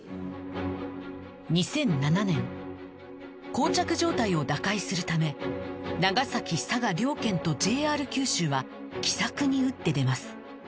２００７年膠着状態を打開するため長崎佐賀両県と ＪＲ 九州は奇策に打って出ます